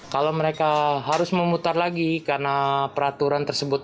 kalau mereka harus memutar lagi karena peraturan tersebut